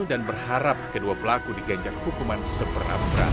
dan berharap kedua pelaku digajak hukuman seberang berat